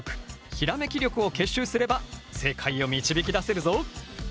ひらめき力を結集すれば正解を導き出せるぞ。